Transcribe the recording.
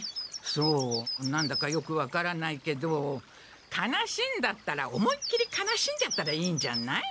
そう何だかよく分からないけど悲しいんだったら思いっきり悲しんじゃったらいいんじゃない？